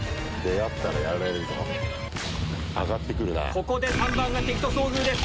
ここで３番が敵と遭遇です。